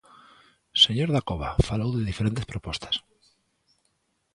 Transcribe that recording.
Señor Dacova, falou de diferentes propostas.